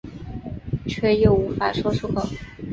却又无法说出口